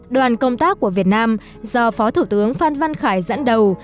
đoàn công tác của việt nam do phó thủ tướng phan văn khải dẫn đầu